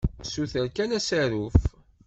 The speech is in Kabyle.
Ssuter kan asaruf.